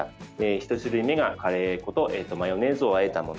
１種類目がカレー粉とマヨネーズをあえたもの